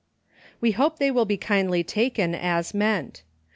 We hope they will be kindly taken, as meant.